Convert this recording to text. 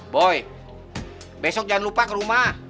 boy besok jangan lupa ke rumah